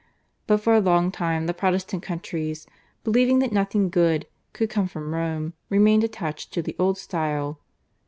But for a long time the Protestant countries, believing that nothing good could come from Rome, remained attached to the old style.